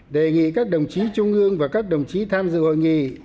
đề nghị các đồng chí trung ương và các đồng chí tham dự hội nghị